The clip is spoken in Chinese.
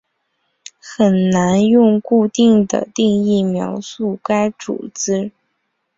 很难用固定的定义描述该组织。